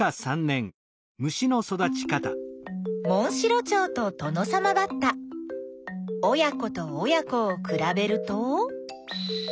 モンシロチョウとトノサマバッタ親子と親子をくらべると。